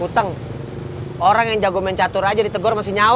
kita bisa beri berita berita di linknya